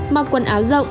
mặc quần áo dễ dàng